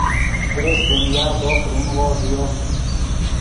درست دنیا بوق رونغو ڤیو